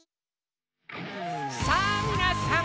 さぁみなさん！